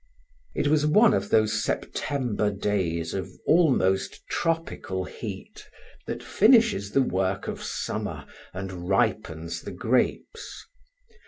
It was one of those September days of almost tropical heat that finishes the work of summer and ripens the grapes.